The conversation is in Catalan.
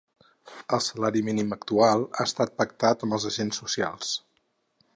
El salari mínim actual ha estat pactat amb els agents socials.